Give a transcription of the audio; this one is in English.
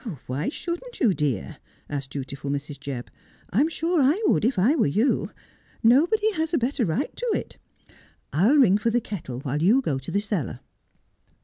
' Why shouldn't you, dear 1 ' asked dutiful Mrs. Jebb. ' I'm sure I would if I were you. Nobody has a better right to it. I'll ring for the kettle while you go to the cellar.'